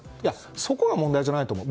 そこが問題じゃないと思う。